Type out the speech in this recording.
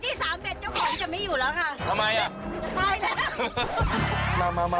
บริกดี๓เม็ดเจ้าของมันจะไม่อยู่แล้วค่ะ